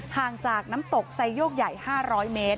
ห่างจากน้ำตกไซโยกใหญ่๕๐๐เมตร